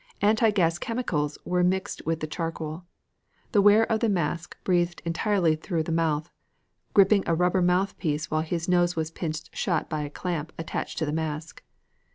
Anti gas chemicals were mixed with the charcoal. The wearer of the mask breathed entirely through the mouth, gripping a rubber mouthpiece while his nose was pinched shut by a clamp attached to the mask.